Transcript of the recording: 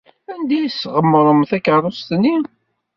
Anda ay tesɣemrem takeṛṛust-nni?